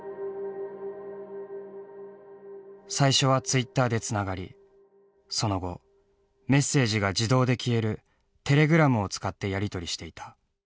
「最初はツイッターでつながりその後メッセージが自動で消えるテレグラムを使ってやり取りしていた」。